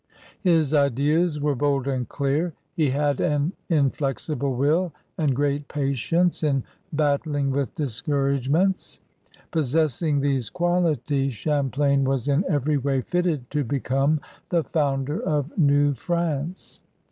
His ideas were bold and clear; he had an inflexible will and great patience in battling with discourage ments. Possessing these qualities, Champlain was in every way fitted to become the founder of New France.